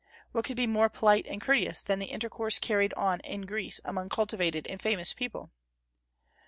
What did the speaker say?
What could be more polite and courteous than the intercourse carried on in Greece among cultivated and famous people?